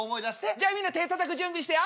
じゃあみんな手ぇたたく準備してよ。